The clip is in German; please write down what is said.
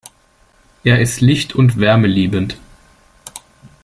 Er ist licht- und wärmeliebend.